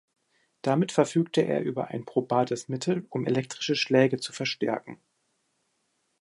Damit verfügte er über ein probates Mittel, um elektrische Schläge zu verstärken.